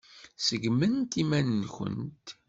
Seggmemt iman-nkent.